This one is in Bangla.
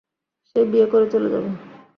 সে বিয়ে করে চলে যাবে!